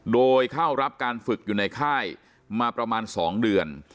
โดยเข้ารับการฝึกอยู่ในค่ายมาประมาณ๒เดือน